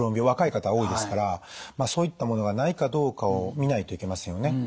若い方多いですからそういったものがないかどうかを見ないといけませんよね。